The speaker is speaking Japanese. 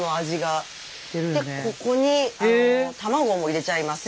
でここに卵も入れちゃいます。